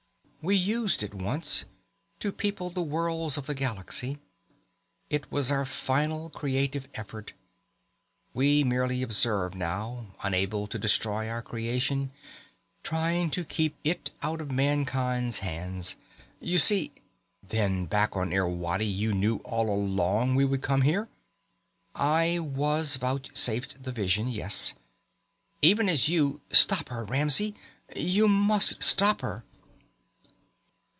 We used it once, to people the worlds of the galaxy. It was our final creative effort. We merely observe now, unable to destroy our creation, trying to keep it out of mankind's hands. You see " "Then back on Irwadi you knew all along we would come here!" "I was vouchsafed the vision, yes. Even as you stop her, Ramsey. You must stop her!"